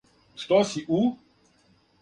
Што си у?